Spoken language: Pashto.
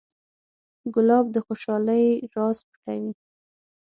ګلاب د خوشحالۍ راز پټوي.